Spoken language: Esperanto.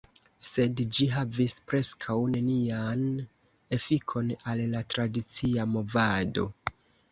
Sed ĝi havis preskaŭ nenian efikon al la tradicia movado.